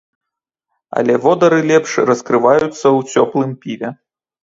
Але водары лепш раскрываюцца ў цёплым піве.